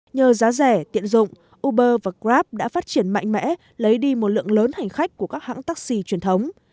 nhờ giá rẻ tiện dụng uber và grab đã phát triển mạnh mẽ lấy đi một lượng lớn hành khách của các hãng taxi truyền thống